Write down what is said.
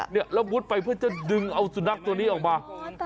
เนี่ยแล้วมุดไปเพื่อจะดึงเอาสุนัขตัวนี้ออกมา